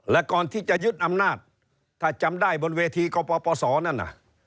และก่อนที่จะยึดอำนาจถ้าจำได้บนเวทีกปศนั่นน่ะ